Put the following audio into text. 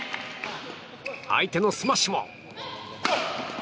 相手のスマッシュも。